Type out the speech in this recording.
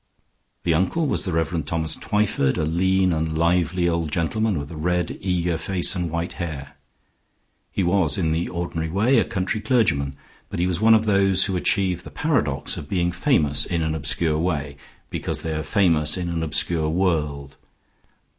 The uncle was the Rev. Thomas Twyford, a lean and lively old gentleman with a red, eager face and white hair. He was in the ordinary way a country clergyman, but he was one of those who achieve the paradox of being famous in an obscure way, because they are famous in an obscure world.